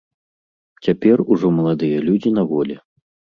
Цяпер ужо маладыя людзі на волі.